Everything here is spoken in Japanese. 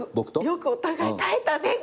よくお互い耐えたねみたいな。